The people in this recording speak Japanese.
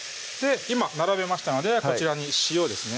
今並べましたのでこちらに塩ですね